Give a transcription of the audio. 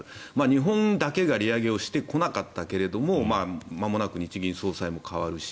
日本だけが利上げをしてこなかったけれどもまもなく日銀総裁も代わるし